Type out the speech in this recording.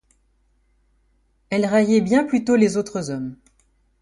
Elles raillaient bien plutôt les autres hommes.